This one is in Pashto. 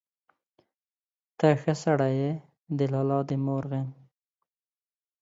ته ښه سړى يې، د لالا دي مور غيم.